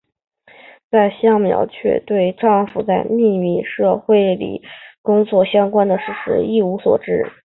而香苗却对丈夫在秘密社会里工作相关的事情一无所知。